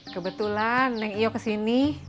kebetulan neng iyo kesini